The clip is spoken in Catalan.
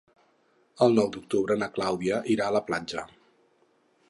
El nou d'octubre na Clàudia irà a la platja.